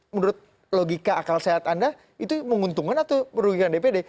menurut logika akal sehat anda itu menguntungkan atau merugikan dpd